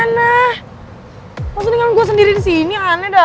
nah maksudnya kamu gue sendiri di sini aneh dah